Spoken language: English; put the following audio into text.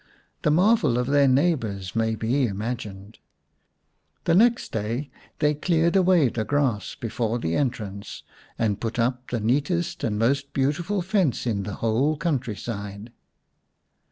The marvel of their neigh bours may be imagined. The next day they cleared away the grass before the entrance and put up the neatest and most beautiful fence in the whole country side.